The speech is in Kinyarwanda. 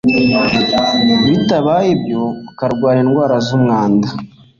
bitabaye ibyo ukarwara indwara z'umwanda